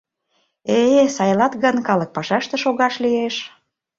Э-э, сайлат гын, калык пашаште шогаш лиеш.